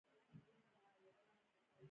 نه پوهېږم برق کمزورې دی که بله ستونزه.